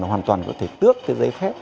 nó hoàn toàn có thể tước cái giấy phép